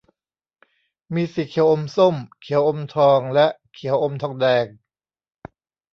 มีสีเขียวอมส้ม เขียวอมทอง และเขียวอมทองแดง